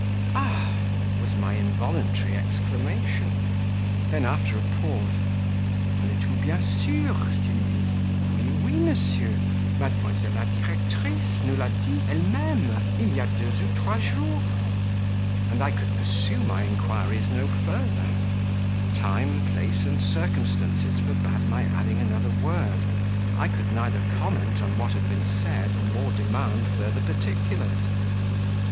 "Ah!" was my involuntary exclamation; then after a pause: "En etes vous bien sure, Sylvie?" "Oui, oui, monsieur, mademoiselle la directrice nous l'a dit elle meme il y a deux ou trois jours." And I could pursue my inquiries no further; time, place, and circumstances forbade my adding another word. I could neither comment on what had been said, nor demand further particulars.